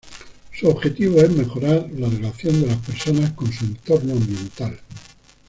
Su objetivo es mejorar la relación de las personas con su entorno ambiental.